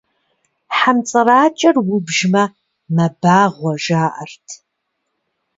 Хьэмцӏыракӏэр убжмэ, мэбагъуэ, жаӏэрт.